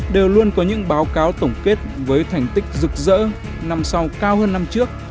đều luôn có những báo cáo tổng kết với thành tích rực rỡ năm sau cao hơn năm trước